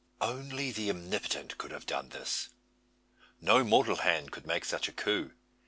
Only the Omnipotent could have done this. No mortal hand could make such a coup.